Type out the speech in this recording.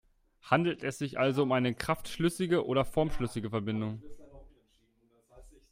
Handelt es sich also um eine kraftschlüssige oder formschlüssige Verbindung?